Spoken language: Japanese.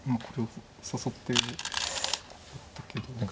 これを誘って打ったけど。